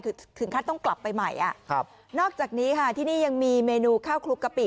คือถึงขั้นต้องกลับไปใหม่อ่ะครับนอกจากนี้ค่ะที่นี่ยังมีเมนูข้าวคลุกกะปิ